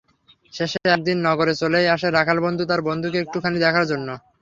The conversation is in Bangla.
শেষে একদিন নগরে চলেই আসে রাখালবন্ধু তার বন্ধুকে একটুখানি দেখার জন্য।